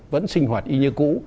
vẫn sinh hoạt y như cũ